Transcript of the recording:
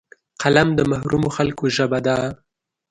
قلم د محرومو خلکو ژبه ده